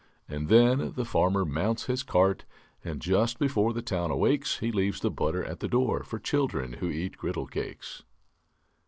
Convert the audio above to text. And then the farmer mounts his cart, And just before the town awakes He leaves the butter at the door For children who eat griddle cakes.